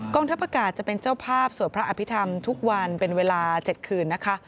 งทัพอากาศจะเป็นเจ้าภาพสวดพระอภิษฐรรมทุกวันเป็นเวลา๗คืนนะคะ